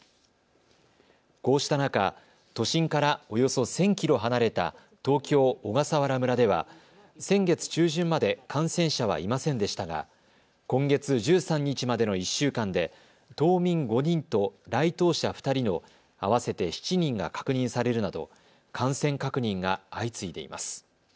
こうした中、都心からおよそ１０００キロ離れた東京小笠原村では先月中旬まで感染者はいませんでしたが今月１３日までの１週間で島民５人と来島者２人の合わせて７人が確認されるなど感染確認が相次いでいます。